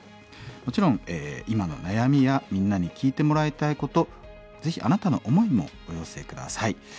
もちろん今の悩みやみんなに聞いてもらいたいことぜひあなたの思いもお寄せ下さい。